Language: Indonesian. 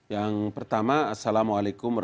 yang pertama assalamualaikum wr wb